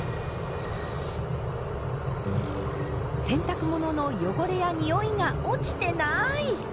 洗濯物の汚れやにおいが落ちてない！